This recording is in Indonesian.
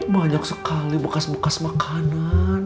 banyak sekali bekas bekas makanan